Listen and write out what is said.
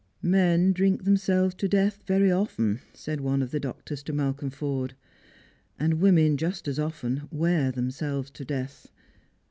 " Men drink themselves to death very often," said one of the doctors to Malcolm Forde ;" and women just as often wear themselves to death.